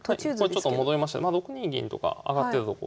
これちょっと戻りましてまあ６二銀とか上がってたとこを。